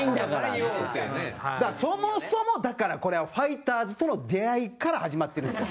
蛍原：そもそも、だから、これはファイターズとの出会いから始まってるんですよ。